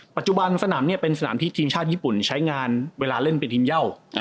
ปัจจุบันสนามนี้เป็นสนามที่ทีมชาติญี่ปุ่นใช้งานเวลาเล่นเป็นทีมเย่า